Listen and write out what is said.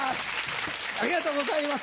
ありがとうございます